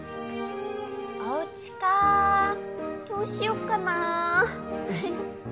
おうちかどうしよっかなフフッ。